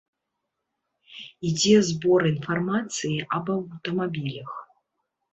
Ідзе збор інфармацыі аб аўтамабілях.